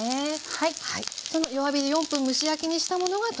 はい。